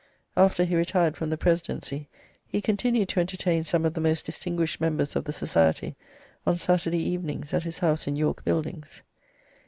After he retired from the presidency, he continued to entertain some of the most distinguished members of the society on Saturday evenings at his house in York Buildings.